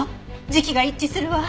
時期が一致するわ。